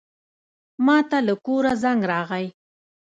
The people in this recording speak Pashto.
ماته له کوره زنګ راغی.